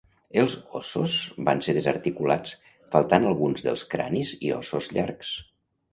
Els ossos van ser desarticulats, faltant alguns dels cranis i ossos llargs.